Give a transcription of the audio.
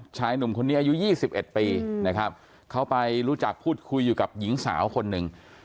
ชายหนุ่มคนนี้อายุ๒๑ปีนะครับเขาไปรู้จักพูดคุยอยู่กับหญิงสาวคนหนึ่ง